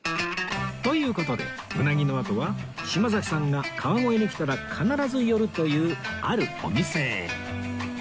という事でうなぎのあとは島崎さんが川越に来たら必ず寄るというあるお店へ